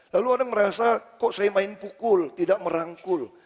lalu ada yang merasa kok saya main pukul tidak merangkul